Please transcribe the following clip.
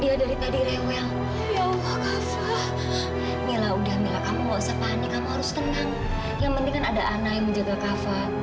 yang penting kan ada ana yang menjaga kava